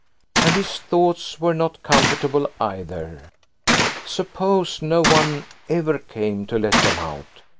And his thoughts were not comfortable either. Suppose no one ever came to let them out!